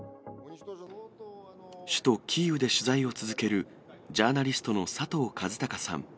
首都キーウで取材を続ける、ジャーナリストの佐藤和孝さん。